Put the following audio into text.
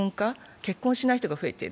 結婚しない人が増えている。